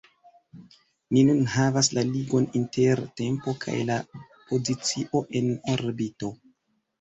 Ni nun havas la ligon inter tempo kaj la pozicio en orbito.